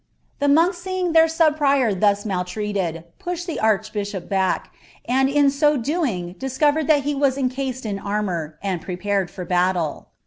The monks seeing their sub prior thus maltreated, I the arehbtshop back, and in so doing dtscovered that he was i in armour, and prepared for battle.